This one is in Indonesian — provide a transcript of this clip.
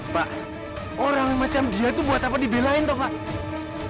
pak orang yang macam dia itu buat apa dibelain tau gak